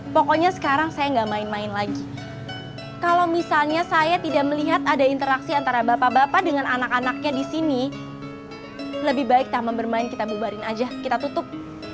pokoknya sekarang saya enggak main main lagi kalau misalnya saya tidak melihat ada interaksi antara bapak bapak dengan anak anaknya di sini lebih baik taman bermain kita bubarin aja kita tutup